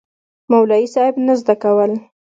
مولوي صېب نه زده کول